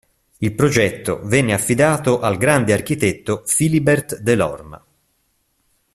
Il progetto venne affidato al grande architetto Philibert Delorme.